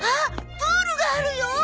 プールがあるよ！